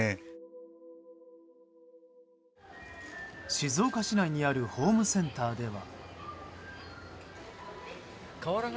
静岡市内にあるホームセンターでは。